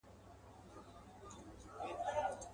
ستا له نوره مو خالقه دا د شپو وطن روښان کې.